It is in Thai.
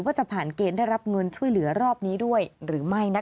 ว่าจะผ่านเกณฑ์ได้รับเงินช่วยเหลือรอบนี้ด้วยหรือไม่